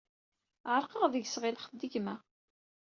Ɛerqeɣ deg-s, ɣileɣ-t d gma.